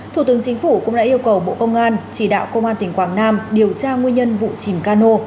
thủ tướng chính phủ cũng đã yêu cầu bộ công an chỉ đạo công an tỉnh quảng nam điều tra nguyên nhân vụ chìm cano